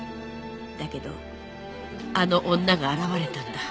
だけどあの女が現れたんだ。